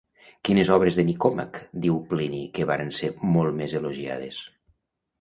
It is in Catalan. Quines obres de Nicòmac diu Plini que varen ser molt més elogiades?